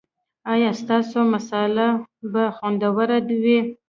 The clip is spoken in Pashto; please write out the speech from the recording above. ایا ستاسو مصاله به خوندوره وي؟